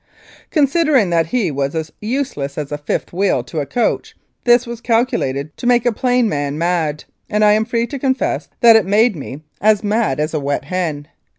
Considering that he was as useless as a fifth wheel to a coach, this was calculated to make a plain man mad, and I am free to confess that it made me "as mad as a wet hen."